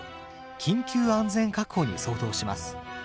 ５緊急安全確保に相当します。